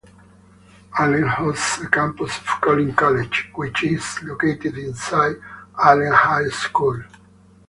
Allen hosts a campus of Collin College, which is located inside Allen High School.